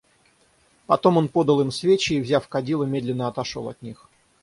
Потом он подал им свечи и, взяв кадило, медленно отошел от них.